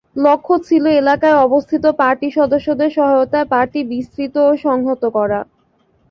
লক্ষ্য ছিল এলাকায় অবস্থিত পার্টি সদস্যদের সহায়তায় পার্টি বিস্তৃত ও সংহত করা।